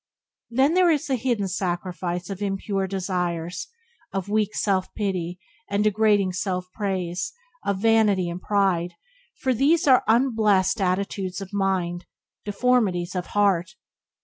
Then there is the hidden sacrifice of impure desires, of weak self pity and degrading self praise, of vanity and pride, for these are unblest attitudes of mind, deformities of heart.